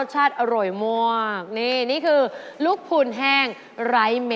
ไหร่ไหม